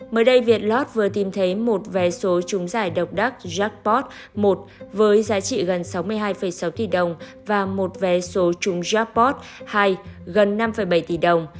mới đây việt lot vừa tìm thấy một vé số trúng giải độc đắc pot một với giá trị gần sáu mươi hai sáu tỷ đồng và một vé số trúng japort hai gần năm bảy tỷ đồng